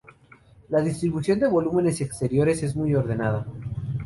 La distribución de volúmenes exteriores es muy ordenada.